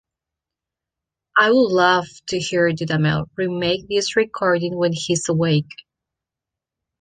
I would love to hear Dudamel remake this recording when he's awake.